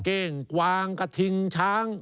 เก้งกวางกระทิงช้าง